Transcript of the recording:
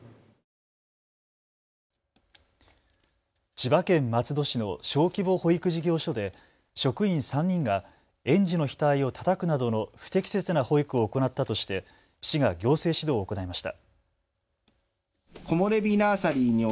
千葉県松戸市の小規模保育事業所で職員３人が園児の額をたたくなどの不適切な保育を行ったとして市が行政指導を行いました。